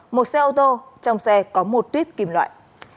một xe ô tô trong xe có một tuyếp kim loại